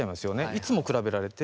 いつも比べられて。